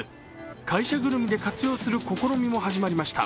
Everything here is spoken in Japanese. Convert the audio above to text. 会社ぐるみで活用する試みも始まりました。